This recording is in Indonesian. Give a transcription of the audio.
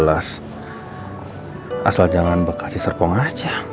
asal jangan bekas di serpong aja